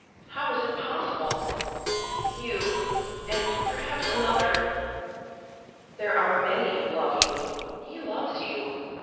How is it possible? You, and perhaps another." "There are many who love you. He loves you.